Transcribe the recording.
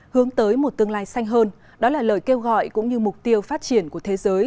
hướng tới một tương lai xanh hơn đó là lời kêu gọi cũng như mục tiêu phát triển của thế giới